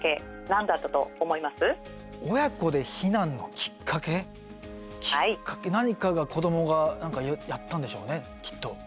きっかけ何かが子どもが何かやったんでしょうねきっと。